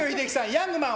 ヤングマン